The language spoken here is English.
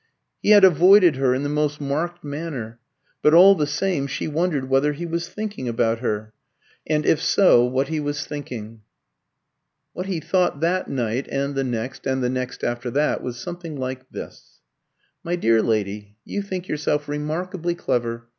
He had avoided her in the most marked manner; but all the same, she wondered whether he was thinking about her, and if so, what he was thinking. What he thought that night, and the next, and the next after that, was something like this: "My dear lady, you think yourself remarkably clever.